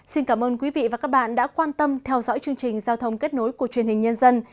xin cảm ơn quý vị và các bạn đã quan tâm theo dõi chương trình giao thông kết nối của truyền hình nhân dân